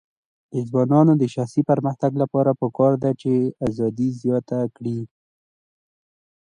د ځوانانو د شخصي پرمختګ لپاره پکار ده چې ازادي زیاته کړي.